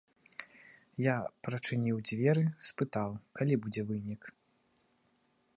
Я прачыніў дзверы, спытаў, калі будзе вынік.